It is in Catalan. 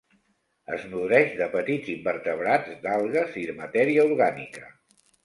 Es nodreix de petits invertebrats, d'algues i de matèria orgànica.